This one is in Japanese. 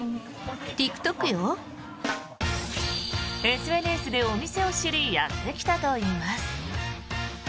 ＳＮＳでお店を知りやってきたといいます。